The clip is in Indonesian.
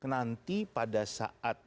nanti pada saat